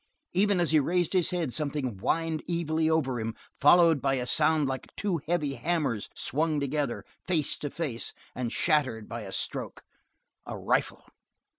Even as he raised his head something whined evilly over him, followed by a sound like two heavy hammers swung together, face to face, and shattered by the stroke. A rifle!